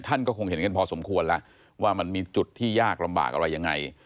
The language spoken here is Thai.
ท่านก็คงเห็นกันพอสมควรแล้วว่ามันมีจุดที่ยากลำบากอะไรยังไง